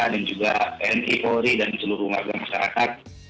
dan juga pmi polri dan seluruh warga masyarakat